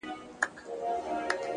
پر دې متل باندي څه شك پيدا سو،